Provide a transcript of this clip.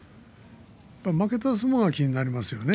負けた相撲が気になりますね。